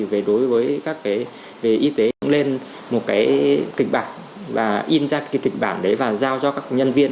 về đối với các y tế chúng lên một kịch bản và in ra kịch bản đấy và giao cho các nhân viên